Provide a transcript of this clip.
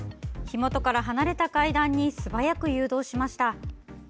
火元から離れた階段に素早く誘導しました。